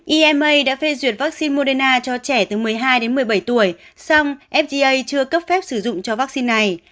ima đã phê duyệt vaccine moderna cho trẻ từ một mươi hai đến một mươi bảy tuổi xong fda chưa cấp phép sử dụng cho vaccine này